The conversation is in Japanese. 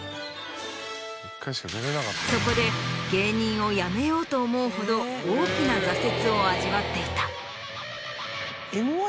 そこで芸人を辞めようと思うほど大きな挫折を味わっていた。